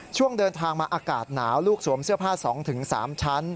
ช่วงเดินทางมาอากาศหนาวลูกสวมเสื้อผ้า๒๓ชั้น